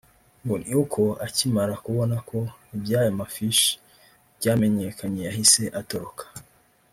ngo ni uko akimara kubona ko iby’ayo mafishi byamenyekanye yahise atoroka